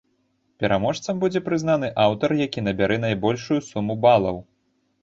Пераможцам будзе прызнаны аўтар, які набярэ найбольшую суму балаў.